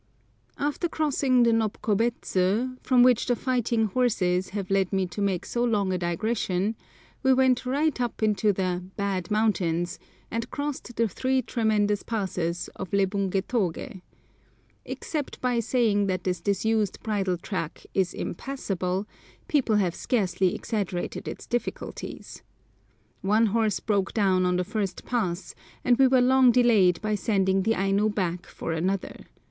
After crossing the Nopkobets, from which the fighting horses have led me to make so long a digression, we went right up into the "bad mountains," and crossed the three tremendous passes of Lebungétogé. Except by saying that this disused bridle track is impassable, people have scarcely exaggerated its difficulties. One horse broke down on the first pass, and we were long delayed by sending the Aino back for another.